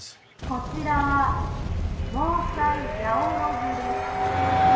「こちらは防災ヤオロズです」